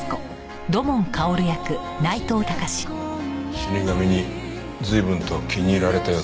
死神に随分と気に入られたようだな。